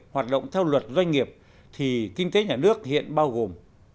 hoạt động theo luật doanh nghiệp thì kinh tế nhà nước hiện bao gồm